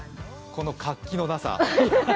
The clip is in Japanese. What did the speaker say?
この活気のなさ。